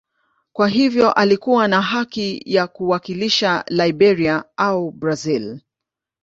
Kwa hiyo alikuwa na haki ya kuwakilisha Liberia au Brazil.